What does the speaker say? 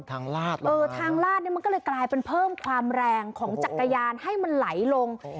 ลาดเลยเออทางลาดเนี่ยมันก็เลยกลายเป็นเพิ่มความแรงของจักรยานให้มันไหลลง